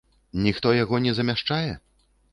Ніхто яго не замяшчае?